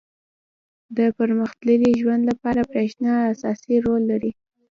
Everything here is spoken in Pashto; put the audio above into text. • د پرمختللي ژوند لپاره برېښنا اساسي رول لري.